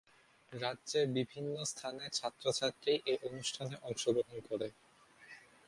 রাজ্যের বিভিন্ন স্থানের ছাত্র-ছাত্রী এই অনুষ্ঠানে অংশগ্রহণ করে।